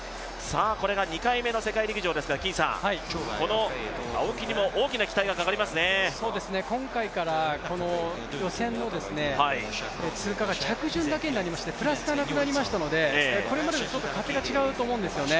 これが２回目の世界陸上ですが、この青木にも今回から予選の通過が着順だけになりましてプラスがなくなりましたので、これまでとちょっと勝手が違うと思います。